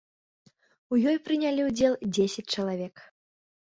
У ёй прынялі ўдзел дзесяць чалавек.